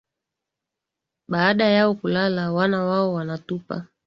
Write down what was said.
Baada yao kulala, wana wao wanatupa,